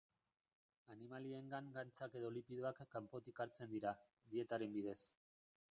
Animaliengan gantzak edo lipidoak kanpotik hartzen dira, dietaren bidez.